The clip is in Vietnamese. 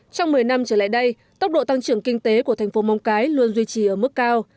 trong một mươi năm trở lại đây tốc độ tăng trưởng kinh tế của thành phố móng cái luôn duy trì ở mức cao